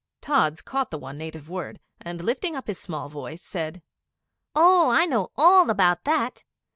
Tods caught the one native word, and lifting up his small voice said 'Oh, I know all about that!